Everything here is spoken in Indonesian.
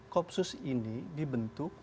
kopsus ini dibentuk